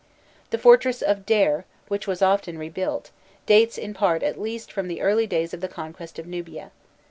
The fortress of Derr [Kubbân? Ed.], which was often rebuilt, dates in part at least from the early days of the conquest of Nubia.